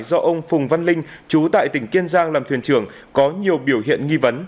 do ông phùng văn linh chú tại tỉnh kiên giang làm thuyền trưởng có nhiều biểu hiện nghi vấn